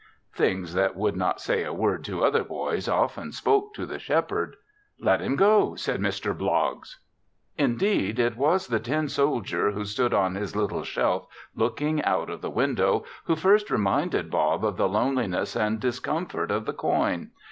Things that would not say a word to other boys often spoke to the Shepherd. "Let him go," said Mr. Bloggs. Indeed it was the tin soldier, who stood on his little shelf looking out of the window, who first reminded Bob of the loneliness and discomfort of the coin.